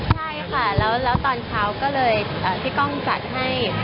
ใช่ค่ะแล้วตอนเช้าก็เลยพี่ก้องจัดให้